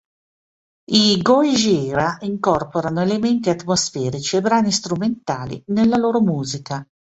I Gojira incorporano elementi atmosferici e brani strumentali nella loro musica.